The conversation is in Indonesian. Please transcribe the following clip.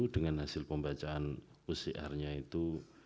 dengan hasil pembacaan pcr nya itu